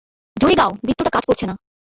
জোরে গাও, বৃত্তটা কাজ করছে না!